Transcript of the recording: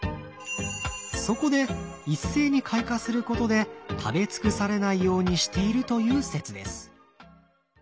そこで一斉に開花することで食べ尽くされないようにしているという説です。